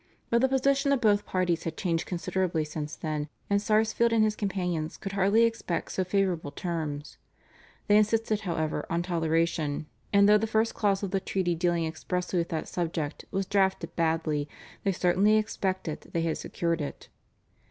But the position of both parties had changed considerably since then, and Sarsfield and his companions could hardly expect so favourable terms. They insisted, however, on toleration, and though the first clause of the treaty dealing expressly with that subject was drafted badly, they certainly expected they had secured it.